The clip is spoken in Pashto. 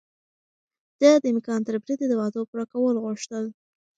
ده د امکان تر بريده د وعدو پوره کول غوښتل.